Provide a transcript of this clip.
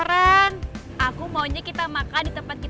dan menjaga keamanan bapak reno